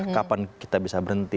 kapan kita bisa berhenti